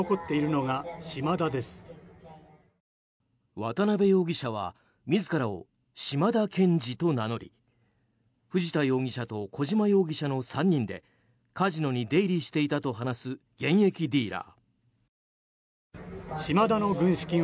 渡邉容疑者は自らをシマダ・ケンジと名乗り藤田容疑者と小島容疑者の３人でカジノに出入りしていたと話す現役ディーラー。